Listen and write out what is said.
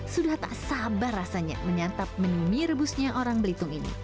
sudah tak sabar rasanya menyantap menu mie rebusnya orang belitung ini